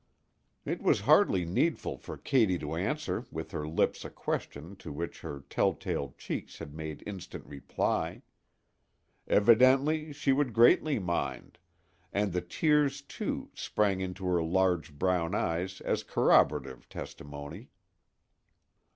It was hardly needful for Katy to answer with her lips a question to which her telltale cheeks had made instant reply. Evidently she would greatly mind; and the tears, too, sprang into her large brown eyes as corroborative testimony.